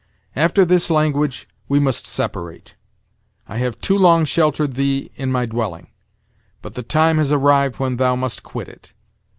After this language, we must separate. I have too long sheltered thee in my dwelling; but the time has arrived when thou must quit it.